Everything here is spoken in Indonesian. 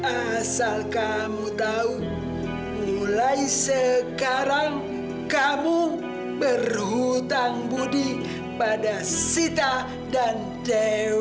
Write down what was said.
dan asal kamu tahu mulai sekarang kamu berhutang budi pada sita dan dewi